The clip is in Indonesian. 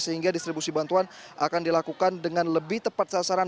sehingga distribusi bantuan akan dilakukan dengan lebih tepat sasaran